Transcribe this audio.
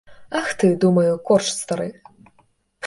Ах ты, думаю, корч стары!